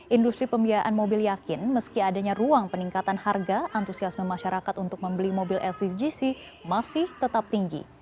industri pembiayaan mobil yakin meski adanya ruang peningkatan harga antusiasme masyarakat untuk membeli mobil lcgc masih tetap tinggi